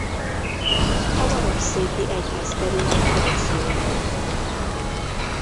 A marosszéki egyházkerület jegyzője volt.